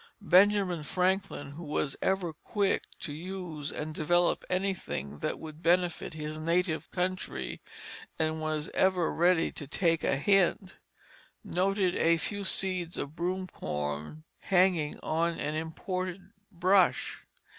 Benjamin Franklin, who was ever quick to use and develop anything that would benefit his native country, and was ever ready to take a hint, noted a few seeds of broom corn hanging on an imported brush.